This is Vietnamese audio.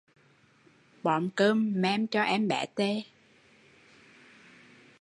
Bón cơm mem cho em bé